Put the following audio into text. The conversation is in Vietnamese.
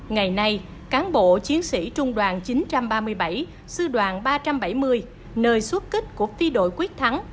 ngày nay cán bộ chiến sĩ trung đoàn chín trăm ba mươi bảy sư đoàn ba trăm bảy mươi nơi xuất kích của phi đội quyết thắng